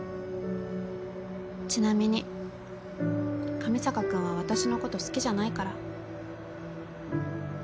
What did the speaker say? ちなみに上坂君は私のこと好きじゃないから。